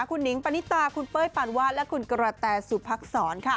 คุณหนิงปณิตาคุณเป้ยปานวาดและคุณกระแตสุพักษรค่ะ